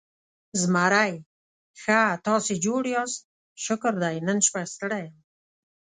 زمری: ښه، تاسې جوړ یاست؟ شکر دی، نن شپه ستړی یم.